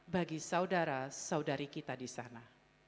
bagi saudara saudari kita di sana